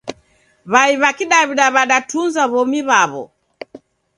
W'ai w'a kidaw'ida w'adatunza w'omi w'aw'o.